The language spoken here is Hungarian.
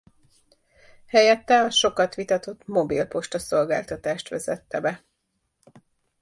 Helyette a sokat vitatott mobilposta-szolgáltatást vezette be.